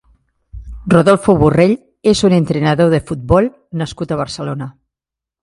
Rodolfo Borrell és un entrenador de futbol nascut a Barcelona.